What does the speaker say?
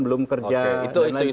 belum kerja dan lain sebagainya